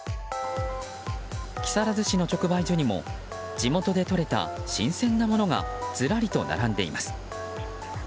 木更津市の直売所にも地元でとれた新鮮なものがずらりと並んでいます。